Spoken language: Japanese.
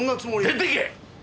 出てけ！